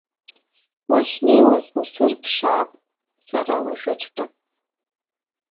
Уахьнеиуаз усырԥшаап сара уажәыҵәҟьа!